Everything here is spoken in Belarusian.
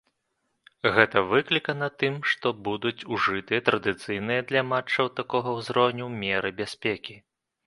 Гэта выклікана тым, што будуць ужытыя традыцыйныя для матчаў такога ўзроўню меры бяспекі.